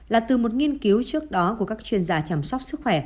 là từ một nghiên cứu trước đó của các chuyên gia chăm sóc sức khỏe